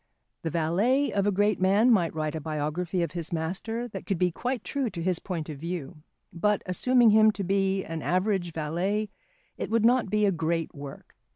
The valet of a great man might write a biography of his master that could be quite true to his point of view; but, assuming him to be an average valet, it would not be a great work.